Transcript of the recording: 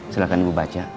silahkan bu baca